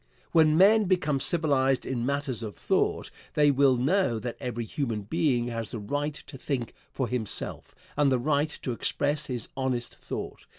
When men become civilized in matters of thought, they will know that every human being has the right to think for himself, and the right to express his honest thought.